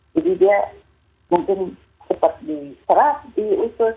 jadi dia mungkin cepat diserap diusut